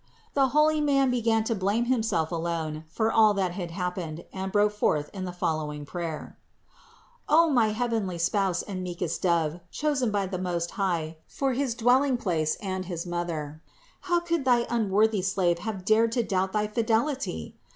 The holy man 328 CITY OF GOD began to blame himself alone for all that had happened and broke forth in the following prayer: "O my heavenly Spouse and meekest Dove, chosen by the Most High for his dwelling place and for his Mother: how could thy unworthy slave have dared to doubt thy fidelity?